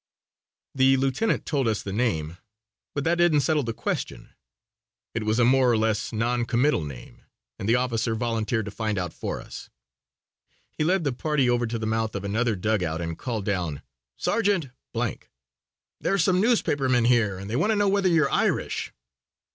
The lieutenant told us the name, but that didn't settle the question. It was a more or less non committal name and the officer volunteered to find out for us. He led the party over to the mouth of another dugout and called down: "Sergeant , there's some newspapermen here and they want to know whether you're Irish."